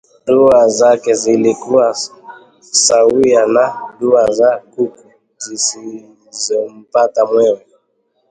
Dua zake zilikuwa sawia na dua za kuku zisizompata mwewe